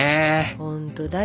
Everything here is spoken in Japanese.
本当だよ。